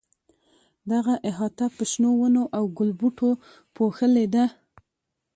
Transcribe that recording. دغه احاطه په شنو ونو او ګلبوټو پوښلې ده.